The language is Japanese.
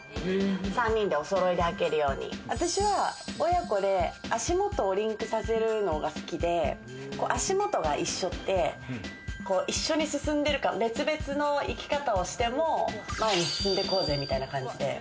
３人でお揃いで履けるように私は親子で足元をリンクさせるのが好きで足元が一緒って一緒に進んでる感、別々の生き方をしても前に進んでこうぜみたいな感じで。